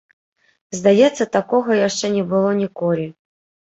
Здаецца, такога яшчэ не было ніколі.